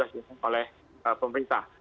yang sudah disesuaikan oleh pemerintah